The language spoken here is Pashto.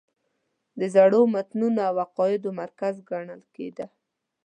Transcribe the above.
د زړو تمدنونو او عقایدو مرکز ګڼل کېده.